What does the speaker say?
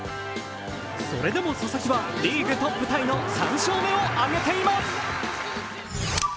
それでも佐々木は、リーグトップタイの３勝目をあげています。